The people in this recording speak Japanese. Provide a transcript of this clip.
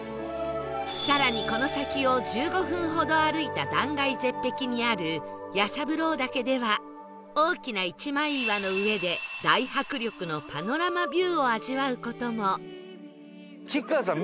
更にこの先を１５分ほど歩いた断崖絶壁にある弥三郎岳では大きな一枚岩の上で大迫力のパノラマビューを味わう事も！